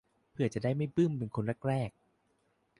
เผื่อจะได้ไม่บึ้มเป็นคนแรกแรก